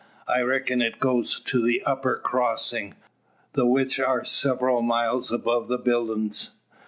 I reckin' it goes to the upper crossin', the which air several miles above the buildin's.